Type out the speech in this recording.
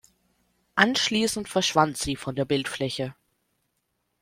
Anschließend verschwand sie von der Bildfläche.